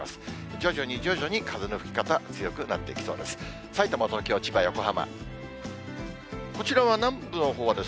徐々に徐々に風の吹き方、強くなってきそうです。